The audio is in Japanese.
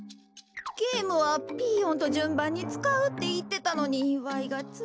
ゲームはピーヨンとじゅんばんにつかうっていってたのにわいがつい。